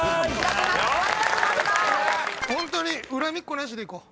ホントに恨みっこなしでいこう。